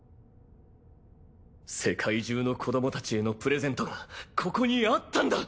世界中の子どもたちへのプレゼントがここにあったんだ！